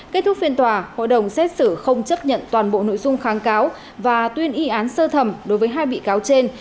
kết thúc phiên tòa hội đồng xét xử không chấp nhận toàn bộ nội dung kháng cáo và tuyên y án sơ thẩm đối với hai bị cáo trên